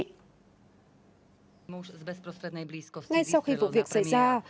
ngay sau khi vụ việc xảy ra